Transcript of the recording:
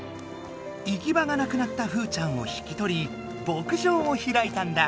行き場がなくなったふーちゃんを引き取り牧場をひらいたんだ。